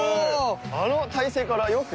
あの体勢からよく。